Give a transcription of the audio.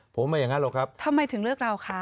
ผมไม่อย่างนั้นหรอกครับทำไมถึงเลือกเราคะ